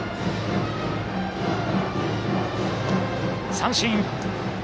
三振。